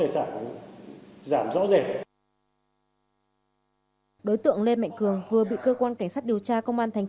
sử dụng cá nhân